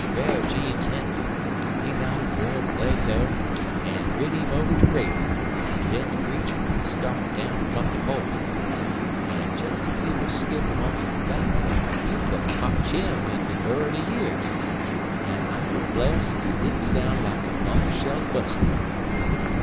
Brer Jeems Henry, he mounted Brer Plato an' rid 'im over de railin', an' den de preacher he start down fum de pulpit, an' des ez he wuz skippin' onter de platform a hym' book kotch 'im in de bur er de year, an I be bless ef it didn't soun' like a bung shell'd busted.